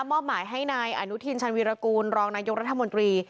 มอบหมายให้นายอนุทินชันวีรกูลรองนายกรัฐมนตรี